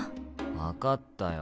分かったよ